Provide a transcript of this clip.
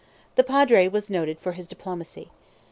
The Padre was noted for his diplomacy.